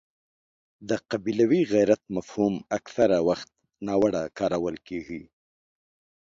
د قبیلوي غیرت مفهوم اکثره وخت ناوړه کارول کېږي.